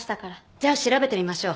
じゃあ調べてみましょう。